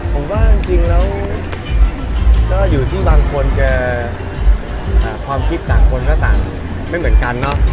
ผมว่าจริงแล้วก็อยู่ที่บางคนแกความคิดต่างคนก็ต่างไม่เหมือนกันเนาะ